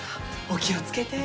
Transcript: お気を付けて。